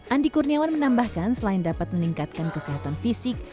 andi kurniawan menambahkan selain dapat meningkatkan kesehatan fisik